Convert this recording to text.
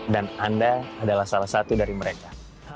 dan anda adalah salah satu dari mereka